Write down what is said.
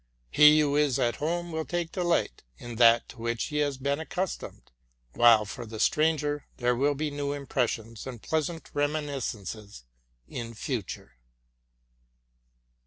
He who is at home will take delight in that to which he has been accustomed ; while for the stranger there will be new impressions, and pleasant reminiscences in future.